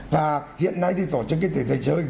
và hiện nay thì tổ chức cái thể thể giới